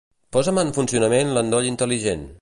Posa'm en funcionament l'endoll intel·ligent.